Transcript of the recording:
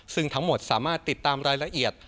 ซึ่งทั้งหมดสามารถติดตามรายละเอียด